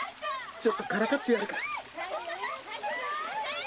ちょっとからかってやるか。